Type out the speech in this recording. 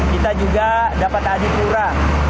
kita juga dapat adipura